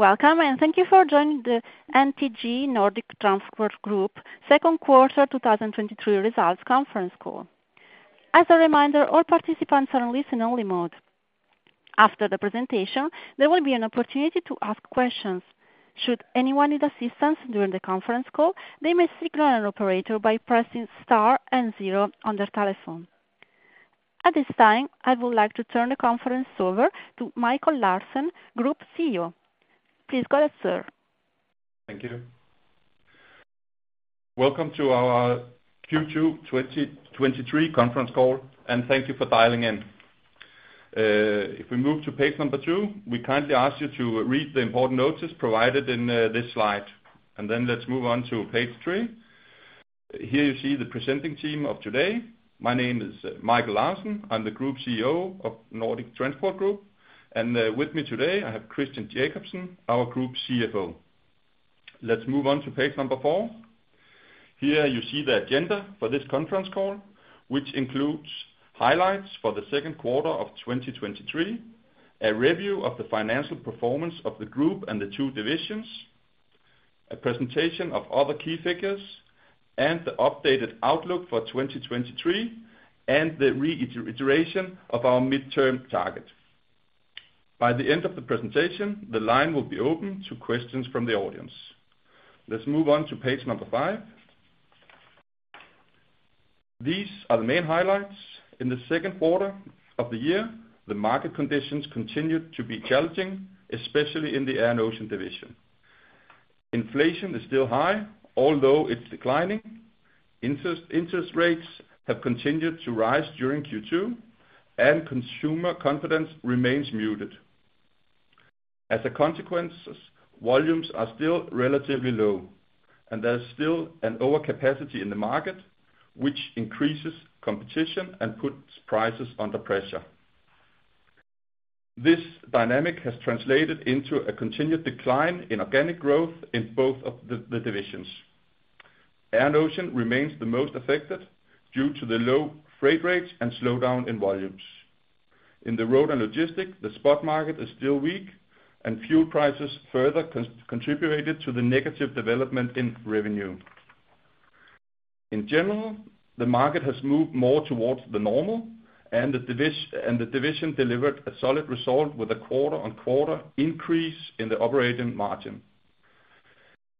Welcome, thank you for joining the NTG Nordic Transport Group second quarter 2023 results conference call. As a reminder, all participants are on listen-only mode. After the presentation, there will be an opportunity to ask questions. Should anyone need assistance during the conference call, they may signal an operator by pressing star and zero on their telephone. At this time, I would like to turn the conference over to Michael Larsen, Group CEO. Please go ahead, sir. Thank you. Welcome to our Q2 2023 conference call. Thank you for dialing in. If we move to page 2, we kindly ask you to read the important notice provided in this slide. Then let's move on to page 3. Here you see the presenting team of today. My name is Michael Larsen, I'm the Group CEO of Nordic Transport Group, and with me today, I have Christian Jakobsen, our Group CFO. Let's move on to page 4. Here you see the agenda for this conference call, which includes highlights for the second quarter of 2023, a review of the financial performance of the group and the two divisions, a presentation of other key figures, and the updated outlook for 2023, and the reiteration of our midterm target. By the end of the presentation, the line will be open to questions from the audience. Let's move on to page 5. These are the main highlights. In the second quarter of the year, the market conditions continued to be challenging, especially in the Air & Ocean division. Inflation is still high, although it's declining. Interest rates have continued to rise during Q2. Consumer confidence remains muted. As a consequence, volumes are still relatively low, and there is still an overcapacity in the market, which increases competition and puts prices under pressure. This dynamic has translated into a continued decline in organic growth in both of the divisions. Air & Ocean remains the most affected due to the low freight rates and slowdown in volumes. In the Road & Logistics, the spot market is still weak, and fuel prices further contributed to the negative development in revenue. In general, the market has moved more towards the normal, and the division delivered a solid result with a quarter-on-quarter increase in the operating margin.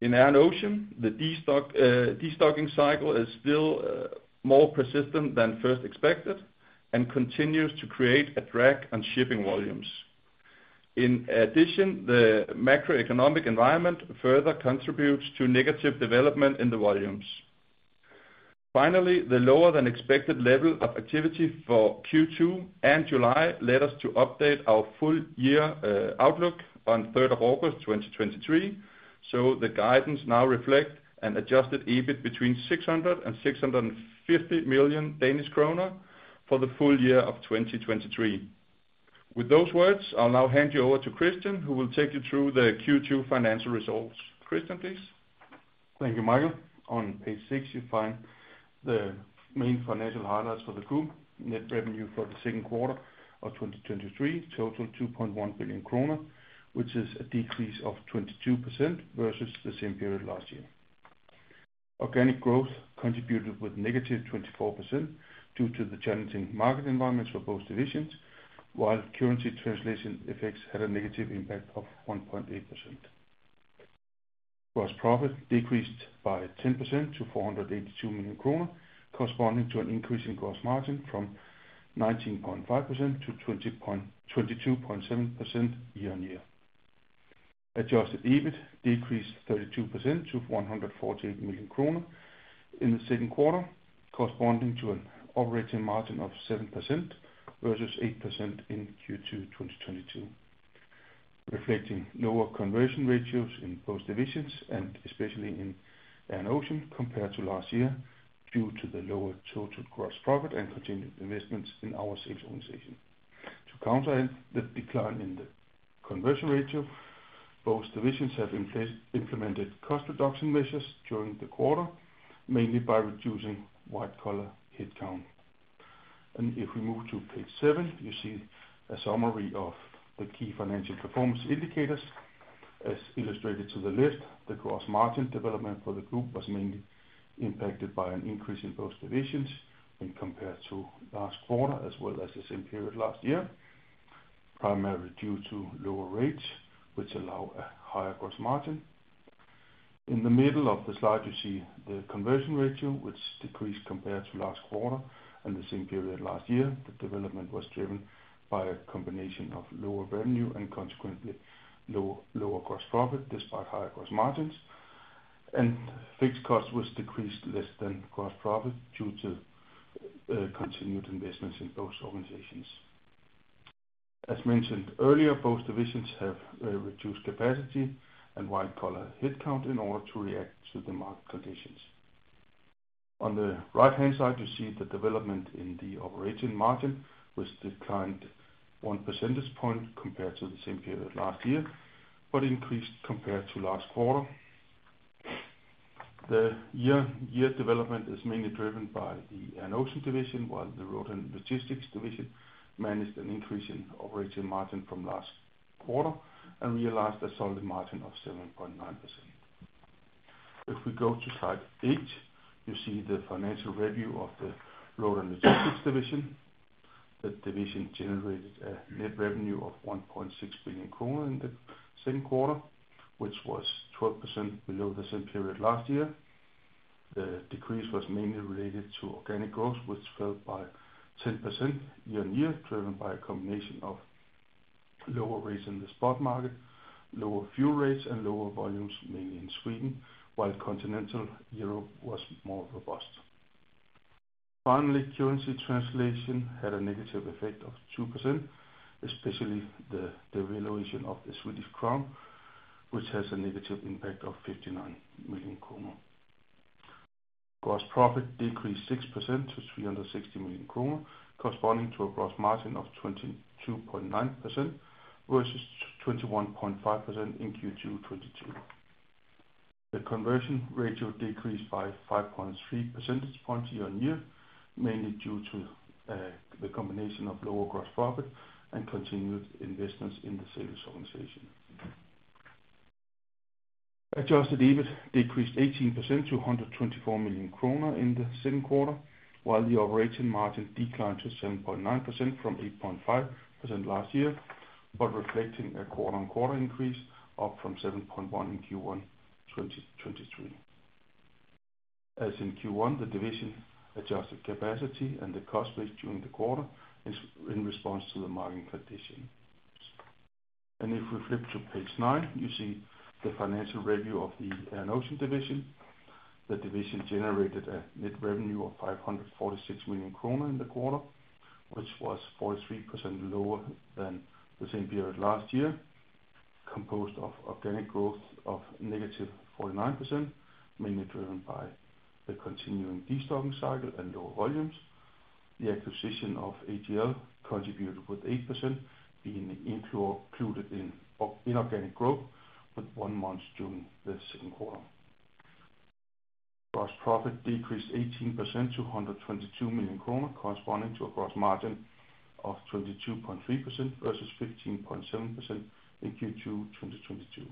In Air & Ocean, the destocking cycle is still more persistent than first expected and continues to create a drag on shipping volumes. In addition, the macroeconomic environment further contributes to negative development in the volumes. Finally, the lower-than-expected level of activity for Q2 and July led us to update our full year outlook on August 3rd, 2023. The guidance now reflects an adjusted EBIT between 600 million Danish kroner and 650 million Danish kroner for the full year of 2023. With those words, I'll now hand you over to Christian, who will take you through the Q2 financial results. Christian, please. Thank you, Michael. On page 6, you find the main financial highlights for the group. Net revenue for the second quarter of 2023 totaled 2.1 billion kroner, which is a decrease of 22% versus the same period last year. Organic growth contributed with -24% due to the challenging market environments for both divisions, while currency translation effects had a negative impact of 1.8%. Gross profit decreased by 10% to 482 million kroner, corresponding to an increase in gross margin from 19.5% to 22.7% year-on-year. Adjusted EBIT decreased 32% to 148 million kroner in the second quarter, corresponding to an operating margin of 7% versus 8% in Q2 2022, reflecting lower conversion ratios in both divisions, and especially in Air & Ocean compared to last year, due to the lower total gross profit and continued investments in our sales organization. To counter the decline in the conversion ratio, both divisions have implemented cost reduction measures during the quarter, mainly by reducing white-collar headcount. If we move to page 7, you see a summary of the key financial performance indicators. As illustrated to the left, the gross margin development for the group was mainly impacted by an increase in both divisions when compared to last quarter, as well as the same period last year, primarily due to lower rates, which allow a higher gross margin. In the middle of the slide, you see the conversion ratio, which decreased compared to last quarter and the same period last year. The development was driven by a combination of lower revenue and, consequently, lower gross profit, despite higher gross margins. Fixed costs were decreased less than gross profit due to continued investments in both organizations. As mentioned earlier, both divisions have reduced capacity and white-collar headcount in order to react to the market conditions. On the right-hand side, you see the development in the operating margin, which declined 1 percentage point compared to the same period last year, but increased compared to last quarter. The year-over-year development is mainly driven by the Air & Ocean division, while the Road & Logistics division managed an increase in operating margin from last quarter and realized a solid margin of 7.9%. If we go to slide 8, you see the financial review of the Road & Logistics division. The division generated a net revenue of 1.6 billion kroner in the second quarter, which was 12% below the same period last year. The decrease was mainly related to organic growth, which fell by 10% year-on-year, driven by a combination of lower rates in the spot market, lower fuel rates, and lower volumes, mainly in Sweden, while continental Europe was more robust. Finally, currency translation had a negative effect of 2%, especially the valuation of the Swedish krona, which has a negative impact of 59 million kroner. Gross profit decreased 6% to 360 million kroner, corresponding to a gross margin of 22.9% versus 21.5% in Q2 2022. The conversion ratio decreased by 5.3 percentage points year-on-year, mainly due to the combination of lower gross profit and continued investments in the sales organization. Adjusted EBIT decreased 18% to 124 million kroner in the second quarter, while the operating margin declined to 7.9% from 8.5% last year, but reflecting a quarter-on-quarter increase up from 7.1% in Q1 2023. As in Q1, the division adjusted capacity and the cost base during the quarter is in response to market conditions. If we flip to page 9, you see the financial review of the Air & Ocean division. The division generated a net revenue of 546 million kroner in the quarter, which was 43% lower than the same period last year, composed of organic growth of -49%, mainly driven by the continuing destocking cycle and lower volumes. The acquisition of AGL contributed with 8% being included in inorganic growth with one month during the second quarter. Gross profit decreased 18% to 122 million kroner, corresponding to a gross margin of 22.3% versus 15.7% in Q2 2022.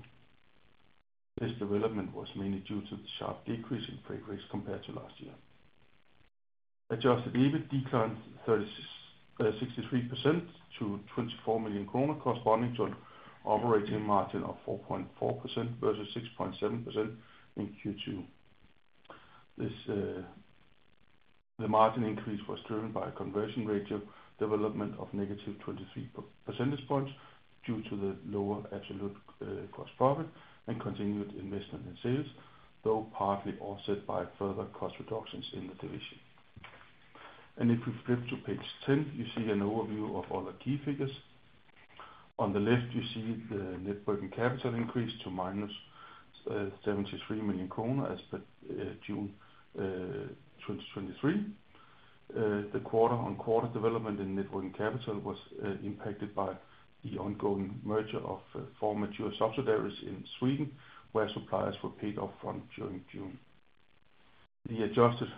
This development was mainly due to the sharp decrease in freight rates compared to last year. Adjusted EBIT declined 63% to 24 million kroner, corresponding to an operating margin of 4.4% versus 6.7% in Q2. This, the margin increase was driven by a conversion ratio development of -23 percentage points due to the lower absolute gross profit and continued investment in sales, though partly offset by further cost reductions in the division. If we flip to page 10, you see an overview of all the key figures. On the left, you see the net working capital increase to -73 million kroner as at June 2023. The quarter-on-quarter development in net working capital was impacted by the ongoing merger of four mature subsidiaries in Sweden, where suppliers were paid up front during June. The adjusted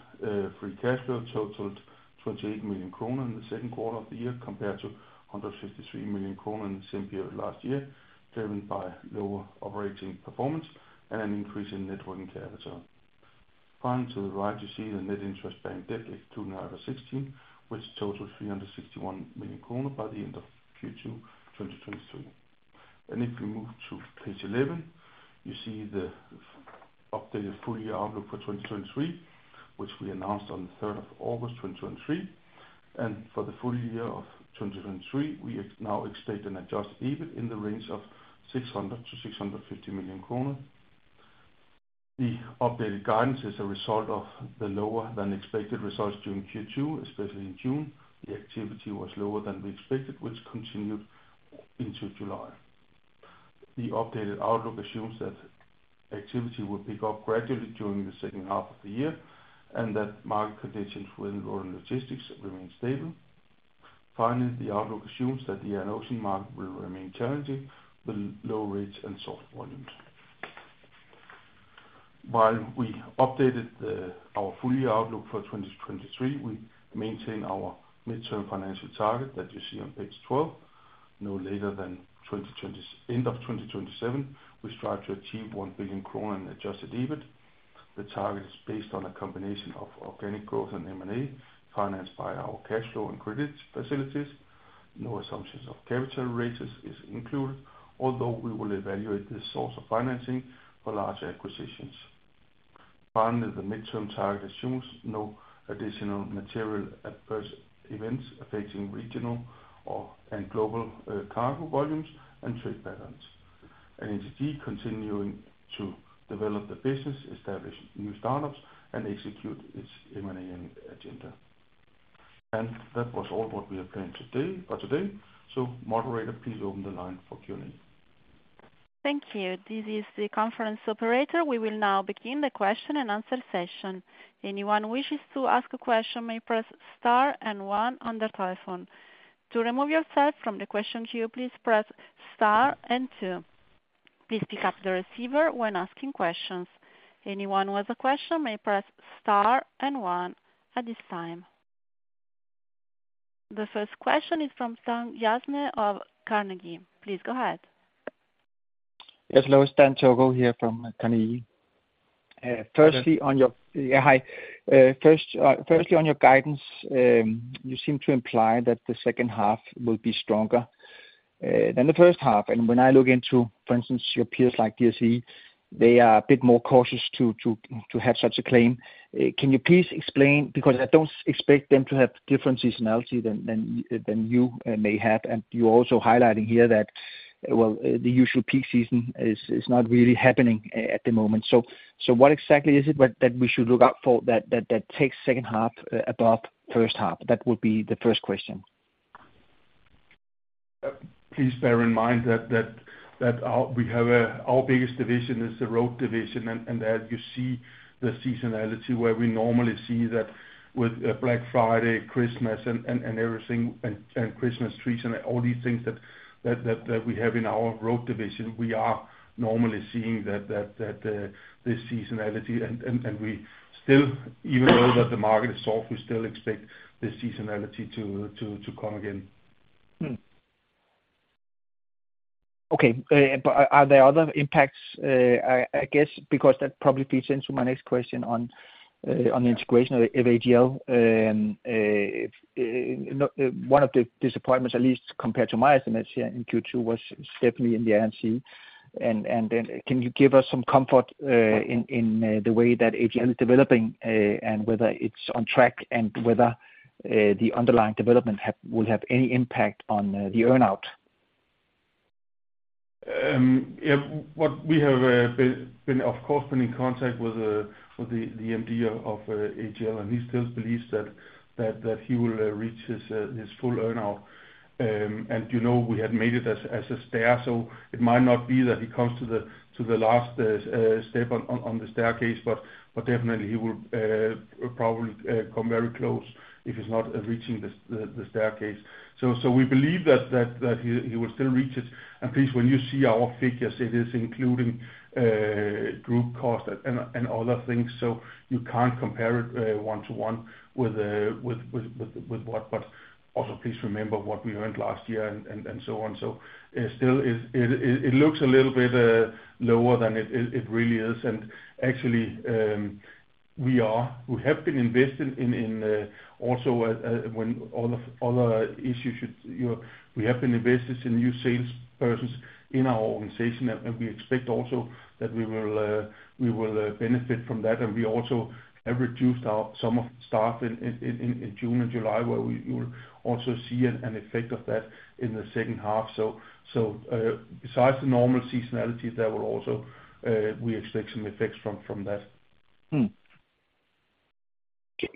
free cash flow totaled 28 million kroner in the second quarter of the year, compared to 153 million kroner in the same period last year, driven by lower operating performance and an increase in net working capital. Finally, to the right, you see the net interest-bearing debt excluding IFRS 16, which totals 361 million kroner by the end of Q2 2023. If we move to page 11, you see the updated full year outlook for 2023, which we announced on the August 3rd, 2023. For the full year of 2023, we now expect an adjusted EBIT in the range of 600 million-650 million kroner. The updated guidance is a result of the lower-than-expected results during Q2, especially in June. The activity was lower than we expected, which continued into July. The updated outlook assumes that activity will pick up gradually during the second half of the year, and that market conditions within Road & Logistics remain stable. Finally, the outlook assumes that the Air & Ocean market will remain challenging, with low rates and soft volumes. While we updated our full year outlook for 2023, we maintain our midterm financial target that you see on page 12. No later than end of 2027, we strive to achieve 1 billion kroner in adjusted EBIT. The target is based on a combination of organic growth and M&A, financed by our cash flow and credit facilities. No assumptions of capital raises are included, although we will evaluate this source of financing for larger acquisitions. Finally, the midterm target assumes no additional material adverse events affecting regional or, and global cargo volumes and trade patterns. NTG continuing to develop the business, establish new startups, and execute its M&A agenda. That was all what we had planned today. Moderator, please open the line for Q&A. Thank you. This is the conference operator. We will now begin the question-and-answer session. Anyone wishes to ask a question may press star and one on their telephone. To remove yourself from the question queue, please press star and two. Please pick up the receiver when asking questions. Anyone with a question may press star and one at this time. The first question is from Dan Togo of Carnegie. Please go ahead. Yes, hello, Dan Togo here from Carnegie. Yeah, hi. Firstly, on your guidance, you seem to imply that the second half will be stronger than the first half. When I look into, for instance, your peers like DSV, they are a bit more cautious to have such a claim. Can you please explain? Because I don't expect them to have different seasonality than you may have. You're also highlighting here that, well, the usual peak season is not really happening at the moment. What exactly is it that we should look out for that takes second half above first half? That would be the first question. Please bear in mind that our, we have our biggest division is the Road division, and that you see the seasonality, where we normally see that with Black Friday, Christmas, and everything, and Christmas trees and all these things that we have in our Road division. We are normally seeing that this seasonality, and we still, even though that the market is soft, we still expect the seasonality to come again. Okay, are, are there other impacts, I, I guess, because that probably feeds into my next question on, on the integration of, of AGL? One of the disappointments, at least compared to my estimates here in Q2, was definitely in the A&O. Can you give us some comfort, in, in, the way that AGL is developing, and whether it's on track and whether, the underlying development will have any impact on, the earn-out? Yeah, what we have been of course, in contact with the MD of AGL, and he still believes that he will reach his full earn-out. You know, we had made it as a stair, so it might not be that he comes to the last step on the staircase, but definitely he will probably come very close if he's not reaching the staircase. We believe that he will still reach it. Please, when you see our figures, it is including group cost and other things, so you can't compare it one to one with what... Also please remember what we earned last year, and, and, and so on. It still is, it, it, it looks a little bit lower than it, it, it really is, and actually, we have been invested in, in also, when all the, all the issues should, you know, we have been invested in new salespersons in our organization. We expect also that we will, we will benefit from that. We also have reduced our, some of staff in, in, in, in June and July, where we will also see an effect of that in the second half. Besides the normal seasonality there will also, we expect some effects from, from that.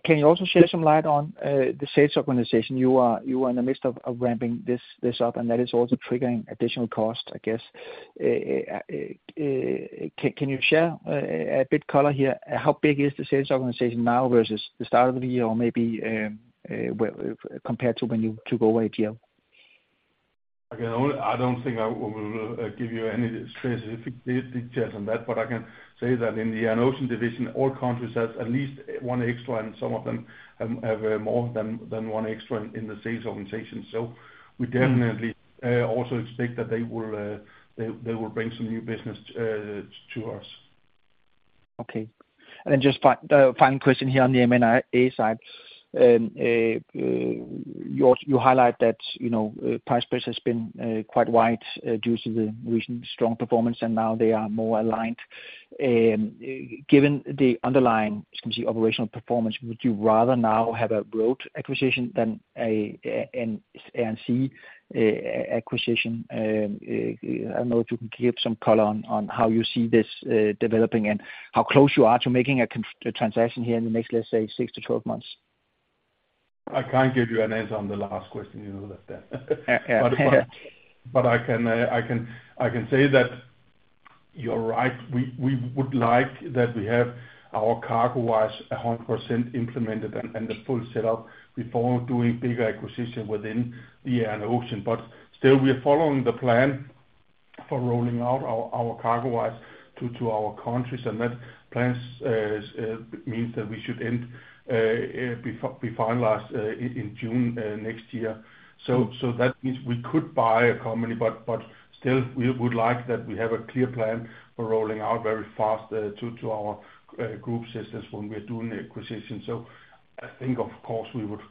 Can you also shed some light on the sales organization? You are, you are in the midst of, of ramping this, this up, and that is also triggering additional cost, I guess. Can you share a bit color here? How big is the sales organization now versus the start of the year, or maybe, well, compared to when you took over AGL? I don't think I will give you any specific details on that, but I can say that in the Ocean division, all countries have at least one extra, and some of them have more than, than one extra in the sales organization. We definitely, also expect that they will bring some new business to us. Okay. Just final question here on the M&A side. You, you highlight that, you know, price spreads has been quite wide due to the recent strong performance, and now they are more aligned. Given the underlying, excuse me, operational performance, would you rather now have a road acquisition than an A&O acquisition? I don't know if you can give some color on how you see this developing and how close you are to making a transaction here in the next, let's say, six to 12 months. I can't give you an answer on the last question, you know that. I can say that you're right. We would like that we have our CargoWise 100% implemented and the full setup before doing big acquisition within the Air & Ocean. Still, we're following the plan for rolling out our CargoWise to our countries, and that plans means that we should end before last in June next year. That means we could buy a company, but, but still, we would like that we have a clear plan for rolling out very fast, to, to our group systems when we're doing the acquisition. I think of course we would,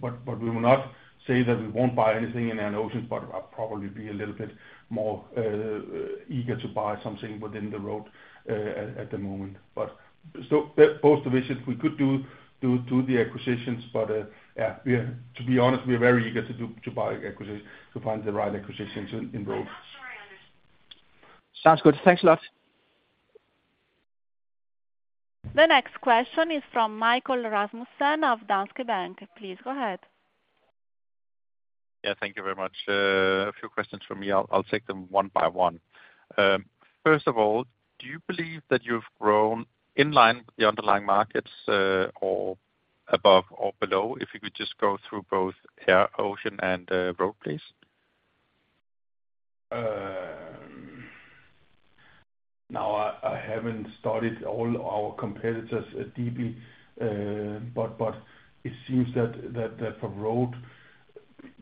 but, but we will not say that we won't buy anything in Air & Ocean, but I'd probably be a little bit more eager to buy something within the Road at the moment. Both divisions we could do the acquisitions, but, yeah, to be honest, we are very eager to do, to buy acquisition, to find the right acquisitions in, in Road. Sounds good. Thanks a lot. The next question is from Michael Vitfell-Rasmussen of Danske Bank. Please go ahead. Yeah, thank you very much. A few questions from me. I'll, I'll take them 1 by 1. First of all, do you believe that you've grown in line with the underlying markets, or above or below? If you could just go through both Air, Ocean, and Road, please. Now I, I haven't studied all our competitors deeply, it seems that, that, that for road,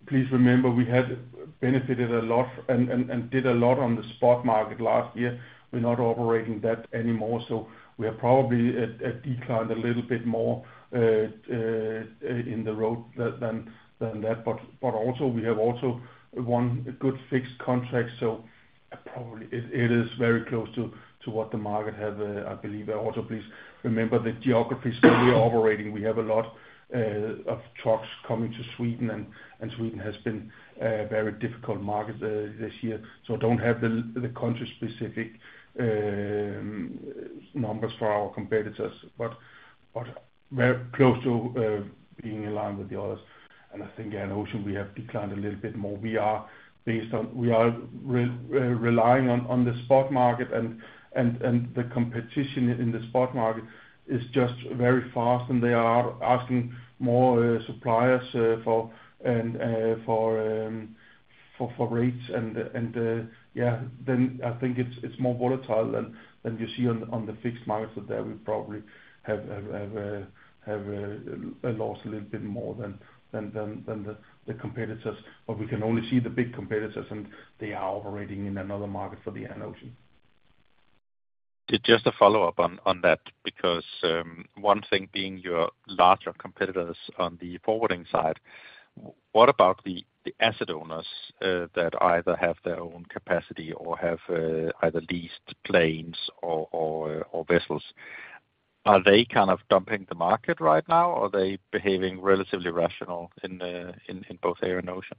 please remember we had benefited a lot and, and, and did a lot on the spot market last year. We're not operating that anymore, so we are probably at, at declined a little bit more in the road than, than that. Also we have also won a good fixed contract, so probably it, it is very close to, to what the market have. I believe also please remember the geographies where we are operating. We have a lot of trucks coming to Sweden, and, and Sweden has been a very difficult market this year. Don't have the, the country-specific, numbers for our competitors, but, but we're close to being in line with the others. I think in ocean, we have declined a little bit more. We are re-relying on, on the spot market, and, and, and the competition in the spot market is just very fast, and they are asking more suppliers for, and for rates. Yeah, I think it's, it's more volatile than, than you see on, on the fixed market. There we probably have, have, have, have a loss a little bit more than, than the, than the, the competitors. We can only see the big competitors, and they are operating in another market for the air and ocean. Just a follow-up on, on that, because one thing being your larger competitors on the forwarding side, what about the, the asset owners that either have their own capacity or have either leased planes or, or, or vessels? Are they kind of dumping the market right now, or are they behaving relatively rational in, in, in both Air & Ocean?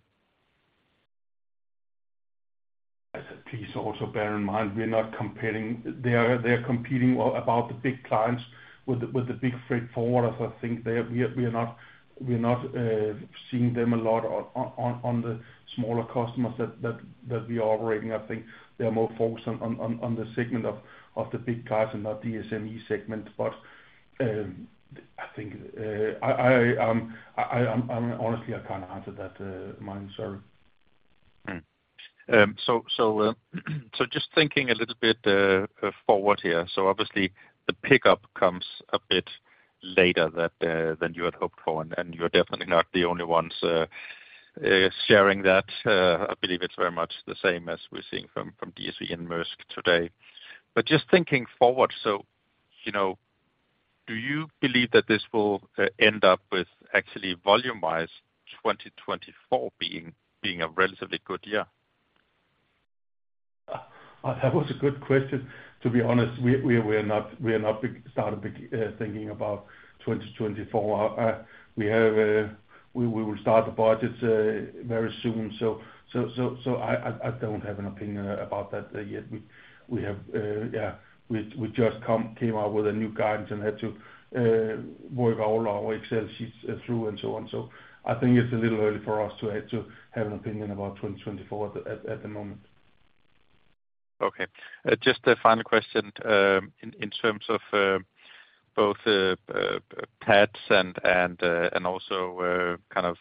Please also bear in mind, we are not competing. They are, they are competing about the big clients with the, with the big freight forwarders. I think they are, we are, we are not, we are not seeing them a lot on, on, on the smaller customers that, that, that we are operating. I think they are more focused on, on, on, on the segment of, of the big guys and not the SME segment. I think I'm honestly, I can't answer that, Michael, sorry. Just thinking a little bit forward here. Obviously the pickup comes a bit later that than you had hoped for, and, and you're definitely not the only ones sharing that. I believe it's very much the same as we're seeing from, from DSV and Maersk today. Just thinking forward, so, you know, do you believe that this will end up with actually volume-wise, 2024 being, being a relatively good year? That was a good question. To be honest, we, we are not, we are not be- started be- thinking about 2024. We have, we, we will start the budgets very soon. So, so, so, so I, I, I don't have an opinion about that yet. We, we have, yeah, we, we just come, came out with a new guidance and had to work all our Excel sheets through and so on. So I think it's a little early for us to have, to have an opinion about 2024 at, at, at the moment. Okay. Just a final question, in terms of both partners and and also kind of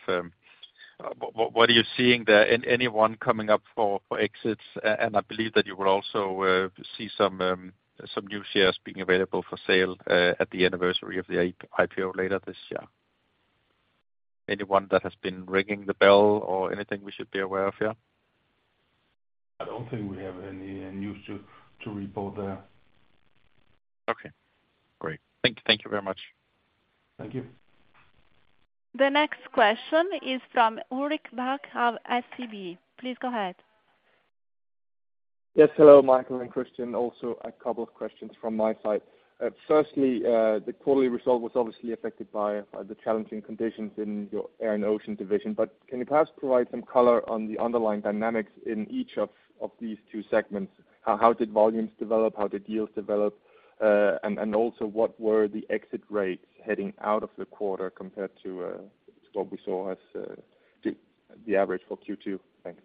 what are you seeing there? Anyone coming up for exits? I believe that you will also see some new shares being available for sale at the anniversary of the IPO later this year. Anyone that has been ringing the bell or anything we should be aware of here? I don't think we have any news to, to report there. Okay, great. Thank, thank you very much. Thank you. The next question is from Ulrik Bak of SEB. Please go ahead. Yes. Hello, Michael and Christian. A couple of questions from my side. Firstly, the quarterly result was obviously affected by the challenging conditions in your Air & Ocean division, but can you perhaps provide some color on the underlying dynamics in each of these two segments? How did volumes develop? How did yields develop? And also, what were the exit rates heading out of the quarter compared to what we saw as the average for Q2? Thanks.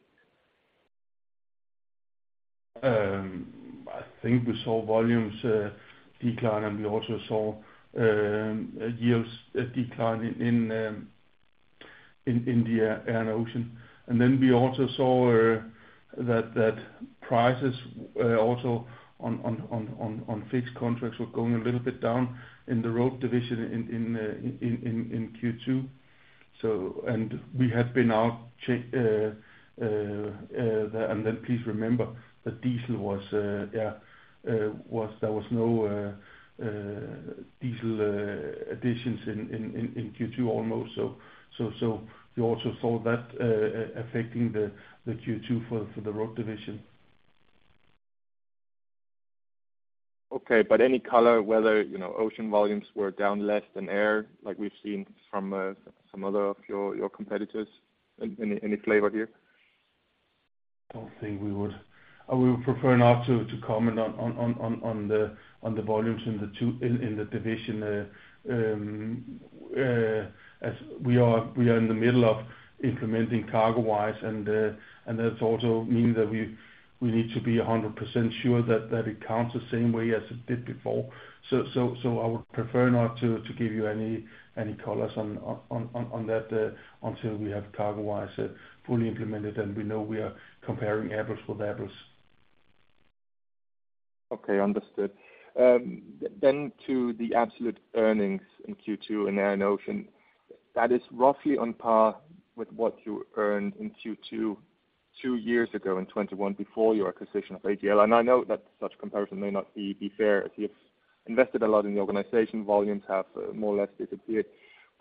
I think we saw volumes decline, and we also saw yields decline in the Air & Ocean. We also saw that prices also on fixed contracts were going a little bit down in the road division in Q2. We had been out check, and then please remember that diesel was, yeah, was there was no diesel additions in Q2 almost. You also saw that affecting the Q2 for the road division. Okay, any color whether, you know, ocean volumes were down less than air, like we've seen from some other of your competitors? Any, any flavor here? I think we would, we would prefer not to, to comment on, on, on, on, on the, on the volumes in the 2, in, in the division. As we are, we are in the middle of implementing CargoWise, and that also mean that we, we need to be 100% sure that, that it counts the same way as it did before. So, so I would prefer not to, to give you any, any colors on, on, on, on, on that, until we have CargoWise fully implemented, and we know we are comparing apples with apples. Okay, understood. To the absolute earnings in Q2, in Air & Ocean, that is roughly on par with what you earned in Q2 2 years ago, in 2021, before your acquisition of AGL. I know that such comparison may not be fair, as you've invested a lot in the organization, volumes have more or less disappeared.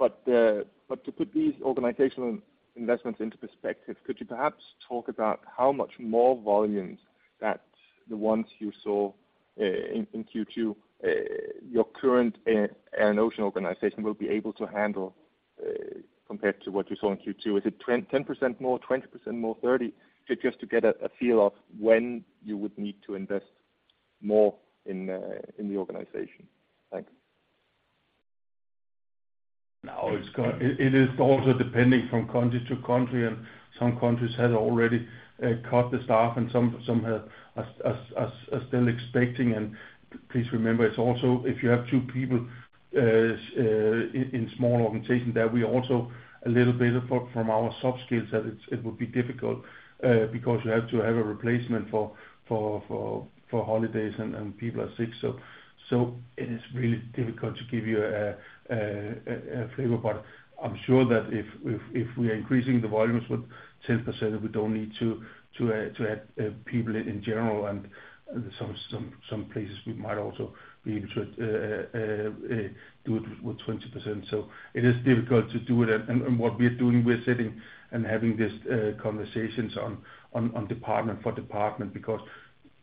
To put these organizational investments into perspective, could you perhaps talk about how much more volumes that the ones you saw in Q2, your current Air & Ocean organization will be able to handle, compared to what you saw in Q2? Is it 10% more, 20% more, 30? Just to get a feel of when you would need to invest more in the organization. Thank you. Now, it is also depending from country to country, and some countries have already cut the staff, and some have are still expecting. Please remember, it is also if you have two people in small organization, that we also a little benefit from our soft skills, that it would be difficult because you have to have a replacement for holidays and people are sick. It is really difficult to give you a flavor, but I am sure that if we are increasing the volumes with 10%, we don't need to add people in general. Some places we might also be able to do it with 20%. It is difficult to do it. What we are doing, we're sitting and having this conversations on, on, on department for department, because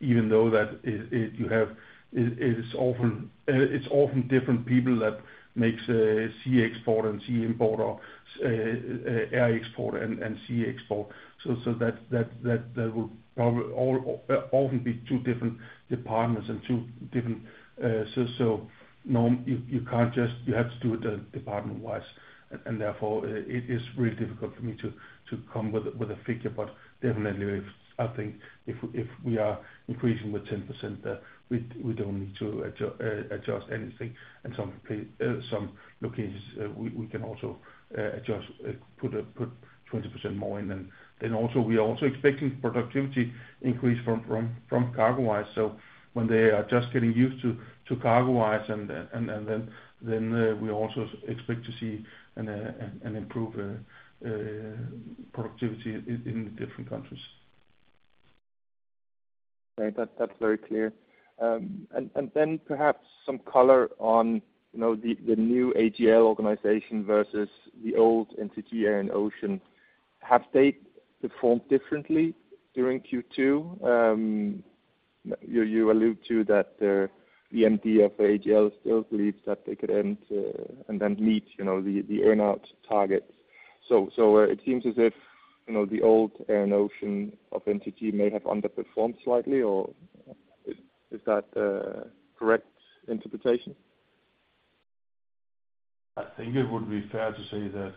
even though that it, it, you have, it, it is often, it's often different people that makes sea export and sea import or air export and, and sea export. So, that, that, that, that will probably often be two different departments and two different. So, you can't just, you have to do it department-wise, and, and therefore, it is really difficult for me to, to come with a, with a figure. But definitely, if I think, if, if we are increasing with 10%, we don't need to adjust anything, and some locations, we can also adjust, put 20% more in. Also, we are also expecting productivity increase from, from, from CargoWise. When they are just getting used to, to CargoWise and, and, and then, then, we also expect to see an, an improved, productivity in, in the different countries. Right. That's, that's very clear. Then perhaps some color on, you know, the new AGL organization versus the old entity, Air & Ocean. Have they performed differently during Q2? You, you allude to that, the MD of AGL still believes that they could end and then meet, you know, the earn-out targets. It seems as if, you know, the old Air & Ocean entity may have underperformed slightly, or is, is that a correct interpretation? I think it would be fair to say that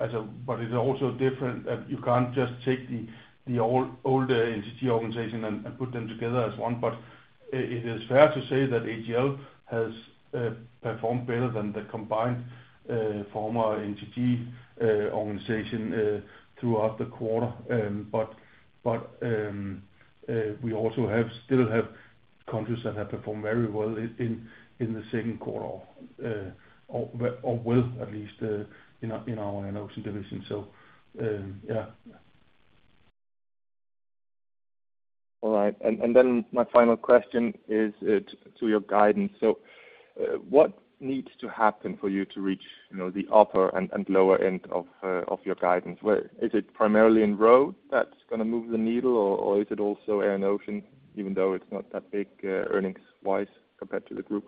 it's also different, that you can't just take the, the old, old entity organization and, and put them together as one. It, it is fair to say that AGL has performed better than the combined former entity organization throughout the quarter. We also have, still have countries that have performed very well in, in the second quarter, or will at least, in our, in our Air & Ocean division. Yeah. All right. Then my final question is to your guidance. What needs to happen for you to reach, you know, the upper and lower end of your guidance? Is it primarily in Road that's gonna move the needle, or is it also Air & Ocean, even though it's not that big earnings-wise compared to the group?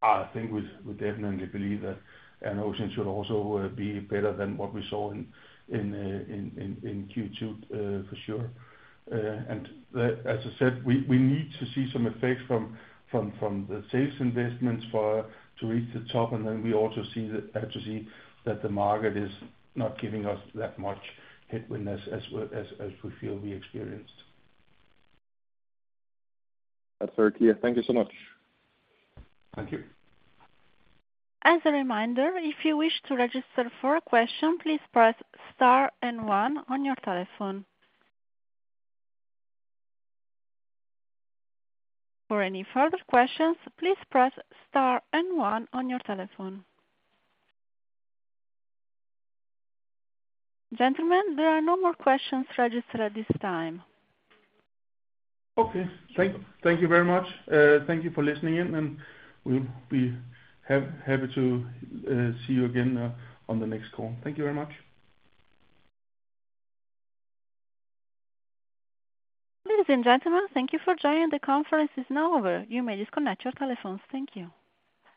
I think we, we definitely believe that Air & Ocean should also be better than what we saw in, in, in, in Q2, for sure. As I said, we, we need to see some effects from, from, from the sales investments to reach the top. We also see that, have to see that the market is not giving us that much headwind as we feel we experienced. That's very clear. Thank you so much. Thank you. As a reminder, if you wish to register for a question, please press star and one on your telephone. For any further questions, please press star and one on your telephone. Gentlemen, there are no more questions registered at this time. Okay. Thank you very much. Thank you for listening in, and we'll be happy to see you again on the next call. Thank you very much. Ladies and gentlemen, thank you for joining. The conference is now over. You may disconnect your telephones. Thank you.